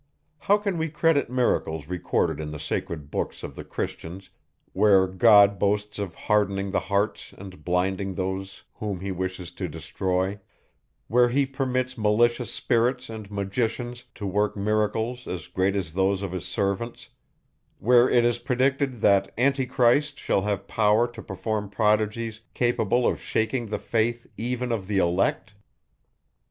How can we credit miracles recorded in the sacred books of the Christians, where God boasts of hardening the hearts and blinding those whom he wishes to destroy; where he permits malicious spirits and magicians to work miracles as great as those of his servants; where it is predicted, that Antichrist shall have power to perform prodigies capable of shaking the faith even of the elect?